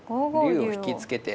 竜を引き付けて。